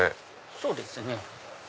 そうですね。